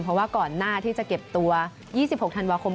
เพราะว่าก่อนหน้าที่จะเก็บตัว๒๖ธันวาคม